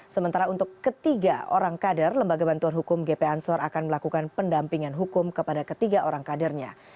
sementara untuk ketiga orang kader lembaga bantuan hukum gp ansor akan melakukan pendampingan hukum kepada ketiga orang kadernya